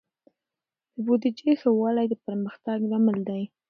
د بودیجې ښه والی د پرمختګ لامل دی.